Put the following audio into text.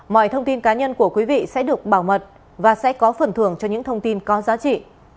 mọi thông tin cá nhân của quý vị sẽ được bảo mật và sẽ có phần thưởng cho những thông tin có giá trị